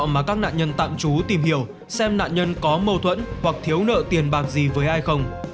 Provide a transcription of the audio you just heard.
mà các nạn nhân tạm trú tìm hiểu xem nạn nhân có mâu thuẫn hoặc thiếu nợ tiền bạc gì với ai không